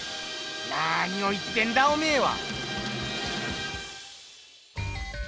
何を言ってんだおめえは！